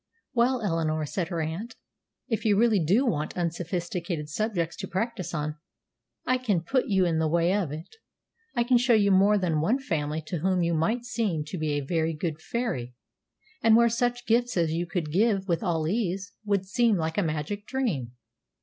"Well, Eleanor," said her aunt, "if you really do want unsophisticated subjects to practise on, I can put you in the way of it. I can show you more than one family to whom you might seem to be a very good fairy, and where such gifts as you could give with all ease would seem like a magic dream."